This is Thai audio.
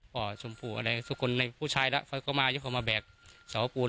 ป่อชมภูอะไรทุกคนในผู้ชายละเค้าก็มาเค้ามาแบกเสาปูน